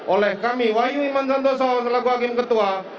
oleh kami wayu iman santoso selaku hakim ketua